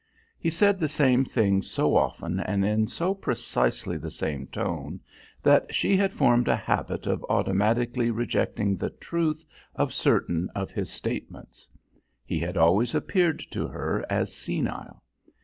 He said the same things so often, and in so precisely the same tone, that she had formed a habit of automatically rejecting the truth of certain of his statements. He had always appeared to her as senile.